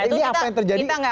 ini apa yang terjadi